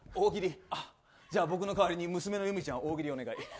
あ、じゃあ僕の代わりに娘のゆみちゃん、大喜利お願い。